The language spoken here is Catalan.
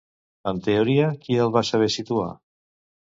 En teoria, qui el va saber situar?